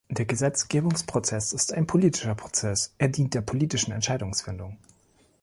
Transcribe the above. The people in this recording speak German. Der Gesetzgebungsprozess ist ein politischer Prozess, er dient der politischen Entscheidungsfindung.